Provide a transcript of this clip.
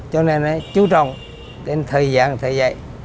cho nên chú trọng đến thời gian thời gian